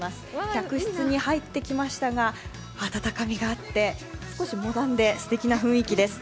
客室に入ってきましたが温かみがあって、少しモダンで、すてきな雰囲気です。